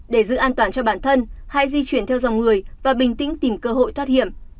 để giữ an toàn cho bản thân hãy di chuyển theo dòng người và bình tĩnh tìm cơ hội thoát hiểm